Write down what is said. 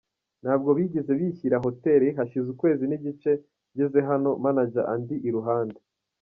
Ntabwo bigeze bishyira hotel hashize ukwezi n’igice njyeze hano, Manager andi I Ruhande.